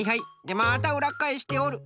でまたうらっかえしておる。